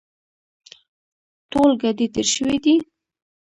ټول ګاډي تېر شوي دي.